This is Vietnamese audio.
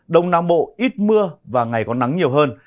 đông nam bộ ít mưa và ngày có nắng nhiều hơn